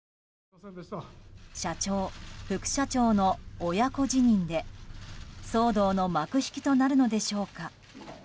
社長・副社長の親子辞任で騒動の幕引きとなるのでしょうか。